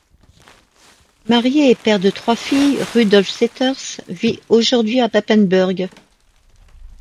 Marié et père de trois filles, Rudolf Seiters vit aujourd'hui à Papenburg.